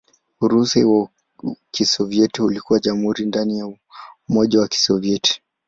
Urusi wa Kisovyeti ulikuwa jamhuri ndani ya Umoja wa Kisovyeti.